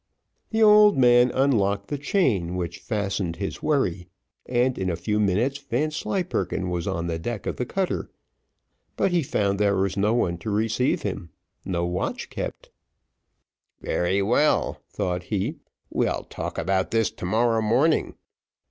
The old man unlocked the chain which fastened his wherry, and in a few minutes Vanslyperken was on the deck of the cutter, but he found there was no one to receive him, no watch kept. "Very well," thought he, "we'll talk about this to morrow morning.